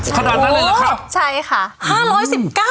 ขนาดนั้นเลยละครับ